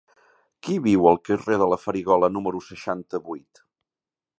Qui viu al carrer de la Farigola número seixanta-vuit?